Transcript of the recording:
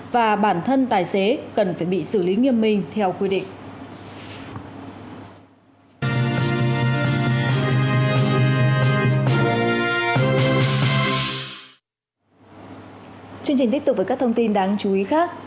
và bản thân tài xế cần phải bị xử lý nghiêm minh theo quy định